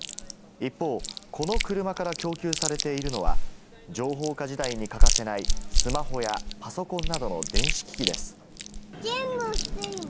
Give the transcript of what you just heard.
一方、この車から供給されているのは情報化時代に欠かせないスマホやパソコンなどの電子機器です。